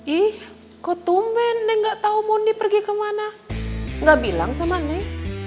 ih kok tumben deh gak tau mondi pergi kemana gak bilang sama nek